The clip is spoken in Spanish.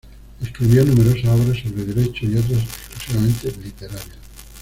Escribió numerosas obras sobre Derecho y otras exclusivamente literarias.